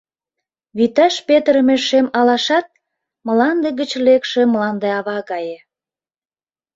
Вӱташ петырыме шем алашат — мланде гыч лекше Мландава гае.